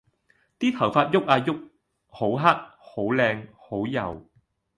啲頭髮郁啊郁，好黑！好靚！好柔！